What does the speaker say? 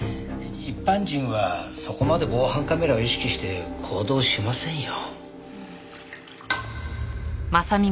一般人はそこまで防犯カメラを意識して行動しませんよ。